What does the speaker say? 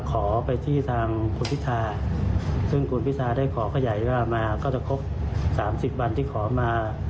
ขอไปที่ทางคุณพิทธาซึ่งคุณพิทธาได้ขอขยายมาก็จะครบสามสิบบันที่ขอมา